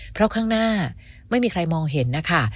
เพราะข้างหน้าไม่มีใครมองเห็นนะคะ